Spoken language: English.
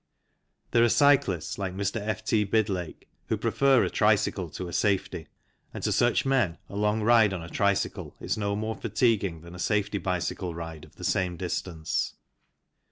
There are cyclists, like Mr. F. T. Bidlake, who prefer a tricycle to a safety, and to such men a long ride on a tricycle is no more fatiguing than a safety bicycle ride of the same distance.